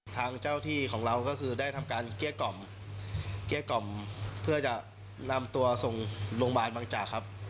ทางเจ้าที่ของเราก็คือได้ทำการเกลี้ยกล่อมเกลี้ยกล่อมเพื่อจะนำตัวส่งโรงพยาบาลบางจากครับ